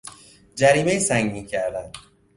جریمهی سنگین کردن